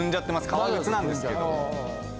革靴なんですけど。